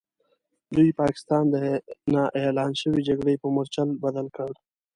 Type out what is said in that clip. دوی پاکستان د نا اعلان شوې جګړې په مورچل بدل کړ.